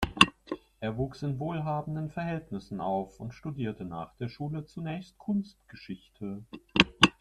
Er wuchs in wohlhabenden Verhältnissen auf und studierte nach der Schule zunächst Kunstgeschichte.